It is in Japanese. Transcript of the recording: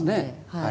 はい。